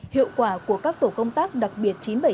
hiệu quả của các tổ công tác đặc biệt